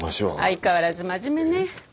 相変わらず真面目ね。